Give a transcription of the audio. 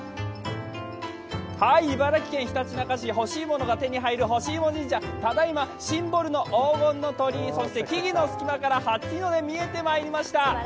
茨城県ひたちなか市欲しいものが手に入るほしいも神社、ただいまシンボルの黄金の鳥居そして木々の隙間から初日の出が見えてまいりました。